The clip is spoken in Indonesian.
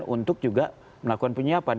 untuk juga melakukan penyiapan